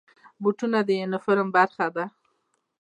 بوټونه د یونیفورم برخه ده.